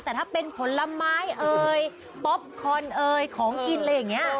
แต่ถ้าเป็นผลไม้เอ่ยป๊อปคอนเอ่ยของกินอะไรอย่างนี้